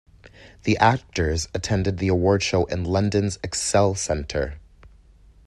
The actors attended the award show in London's excel centre.